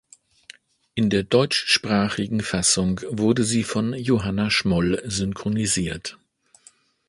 In der deutschsprachigen Fassung wurde sie von Johanna Schmoll synchronisiert.